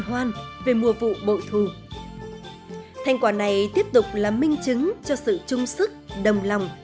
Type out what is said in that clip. hoan về mùa vụ bội thù thành quả này tiếp tục là minh chứng cho sự trung sức đồng lòng